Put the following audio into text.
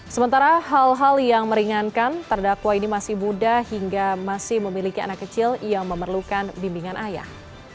sementara hal hal yang meringankan terdakwa ini masih muda hingga masih memiliki anak kecil yang memerlukan bimbingan ayah